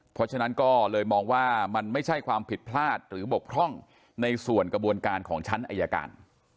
เพราะฉะนั้นก็เลยมองว่ามันไม่ใช่ความผิดพลาดหรือบกพร่องในส่วนกระบวนการของชั้นอายการ